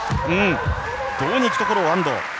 胴にいくところを安藤。